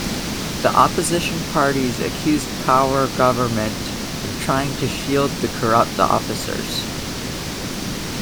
The opposition parties accused Pawar's government of trying to shield the corrupt officers.